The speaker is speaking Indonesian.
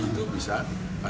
untuk bisa memperbaiki